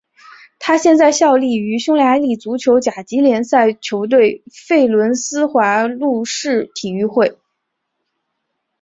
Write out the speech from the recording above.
他现在效力于匈牙利足球甲级联赛球队费伦斯华路士体育会。